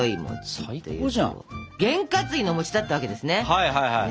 はいはいはい。